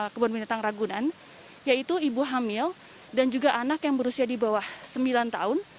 kebun binatang ragunan yaitu ibu hamil dan juga anak yang berusia di bawah sembilan tahun